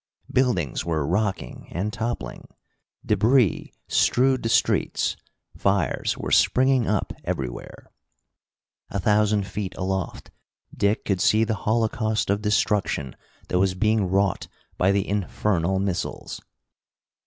Buildings were rocking and toppling, débris strewed the streets, fires were springing up everywhere. A thousand feet aloft, Dick could see the holocaust of destruction that was being wrought by the infernal missiles.